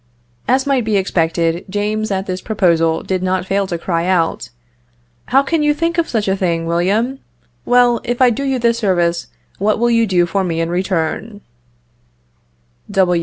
As might be expected, James at this proposal did not fail to cry out, "How can you think of such a thing, William? Well, if I do you this service, what will you do for me in return?"